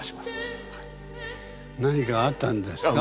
何かあったんですか？